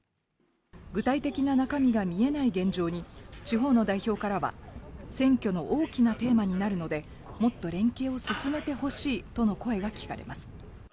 具体的な中身が見えない現状に地方の代表からは、選挙の大きなテーマになるので、もっと連携を進めてほしいとの声が聞かれます。